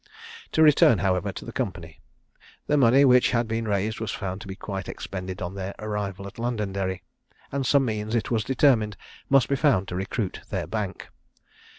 To return, however, to the Company. The money which had been raised was found to be quite expended on their arrival at Londonderry, and some means, it was determined, must be found to recruit their bank.